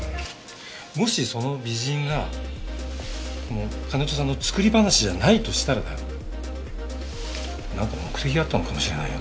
もしその美人がこの金戸さんの作り話じゃないとしたらだよなんか目的があったのかもしれないよね。